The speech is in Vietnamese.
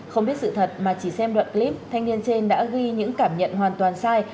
không biết sự thật mà chỉ xem đoạn clip thanh niên trên đã ghi những cảm nhận hoàn toàn sai